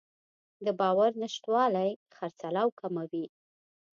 د باور نشتوالی خرڅلاو کموي.